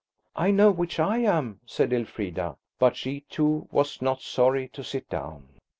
"I know which I am," said Elfrida; but she, too, was not sorry to sit down.